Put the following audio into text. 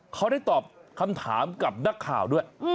เขาได้ตอบคำถามกับนักข่าวด้วย